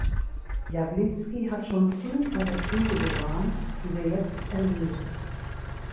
Jawlinski hat schon früh vor der Krise gewarnt, die wir jetzt erleben.